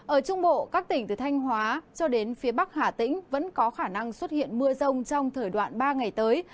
ở trung bộ các tỉnh từ thanh hóa cho đến phía bắc hà tĩnh vẫn có khả năng xuất hiện mưa rông trong thời đoạn ba ngày tới